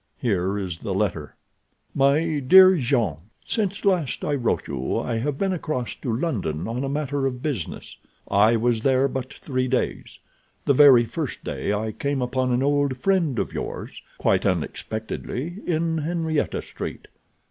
Here is the letter: MY DEAR JEAN: Since last I wrote you I have been across to London on a matter of business. I was there but three days. The very first day I came upon an old friend of yours—quite unexpectedly—in Henrietta Street.